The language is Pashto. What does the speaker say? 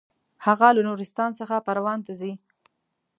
هغه له نورستان څخه پروان ته ځي.